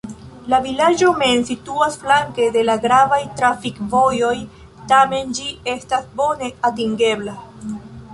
La vilaĝo mem situas flanke de la gravaj trafikvojoj, tamen ĝi estas bone atingebla.